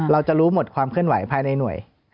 เราจะรู้หมดความเคลื่อนไหวภายในหน่วย